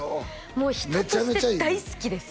もう人として大好きです